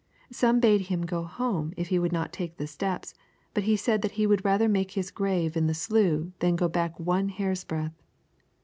Some bade him go home if he would not take the steps, but he said that he would rather make his grave in the slough than go back one hairsbreadth.